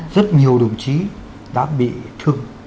rất nhiều đồng chí đã bị thương